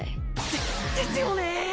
でですよね。